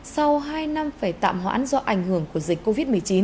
sau hai năm phải tạm hoãn do ảnh hưởng của dịch covid một mươi chín